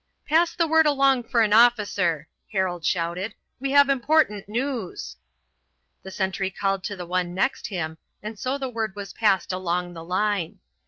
"Pass the word along for an officer," Harold shouted. "We have important news." The sentry called to the one next him, and so the word was passed along the line.